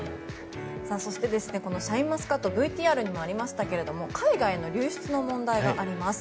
そしてシャインマスカットＶＴＲにもありましたが海外の流出の問題があります。